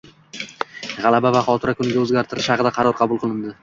G‘alaba va Xotira kuniga o‘zgartirish haqida qaror qabul qilindi